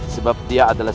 sebab dia adalah